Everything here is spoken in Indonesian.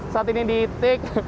saat ini di tick